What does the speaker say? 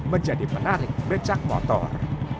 menjadi penarik becak motor